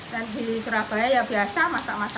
dan di surabaya ya biasa masak masak biasa